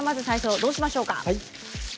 最初どうしましょうか。